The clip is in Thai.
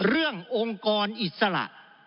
เรื่ององค์กรอิสระ